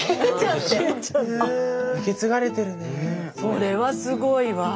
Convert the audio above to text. それはすごいわ。